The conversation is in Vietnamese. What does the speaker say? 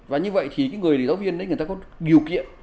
và như vậy thì người giáo viên có điều kiện